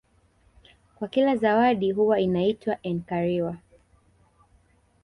Kwa kila zawadi huwa inaitwa enkariwa